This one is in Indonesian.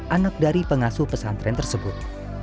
anak dari pengasuh pesantren tersebut